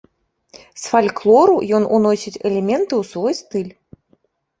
З фальклору ён уносіць элементы ў свой стыль.